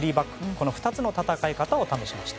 この２つの戦い方を試しました。